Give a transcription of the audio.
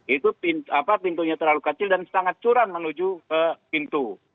itu pintunya terlalu kecil dan sangat curan menuju pintu